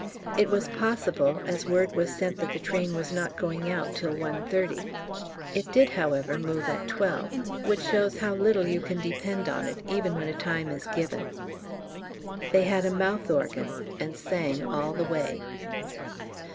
It was possible, as word was sent that the train was not going out till 1.30. It did, however, move at 12, which shows how little you can depend on it, even when a time is given. They had a mouth organ and sang all the way.